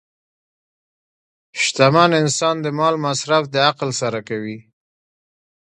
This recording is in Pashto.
شتمن انسان د مال مصرف د عقل سره کوي.